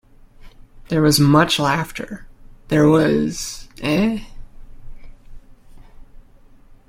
'There was much laughter.' 'There was, eh?'